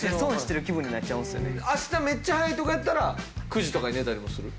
明日めっちゃ早いとかやったら９時とかに寝たりもする？